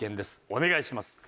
お願いします。